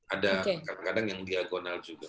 ada kadang kadang yang diagonal juga